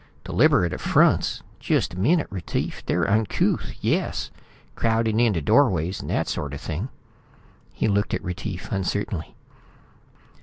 "Deliberate affronts! Just a minute, Retief. They're uncouth, yes, crowding into doorways and that sort of thing...." He looked at Retief uncertainly.